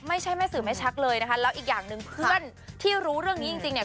ไม่ใช่แม่สื่อแม่ชักเลยนะคะแล้วอีกอย่างหนึ่งเพื่อนที่รู้เรื่องนี้จริงเนี่ย